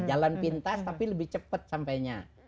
jalan pintas tapi lebih cepat sampainya